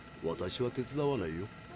私は手伝わないよ。